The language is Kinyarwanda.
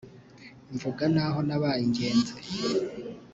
Mvuga n’aho nabaye ingenzi